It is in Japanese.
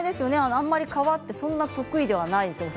あまり皮ってそんなに得意ではないですよね